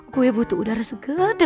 gue butuh udara segede